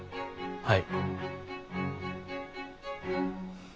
はい。